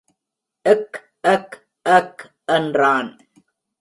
Egg எக் எக் என்றான்.